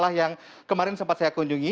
yang kemarin sempat saya kunjungi